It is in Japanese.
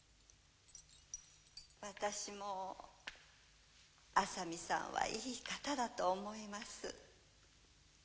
私も浅見さんはいい方だと思います。